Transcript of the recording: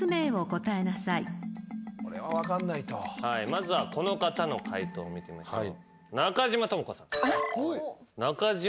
まずはこの方の解答を見てみましょう。